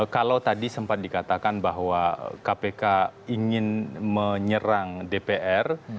kalau tadi sempat dikatakan bahwa kpk ingin menyerang dpr